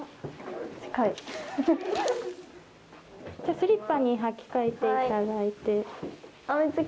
スリッパに履き替えていただいて。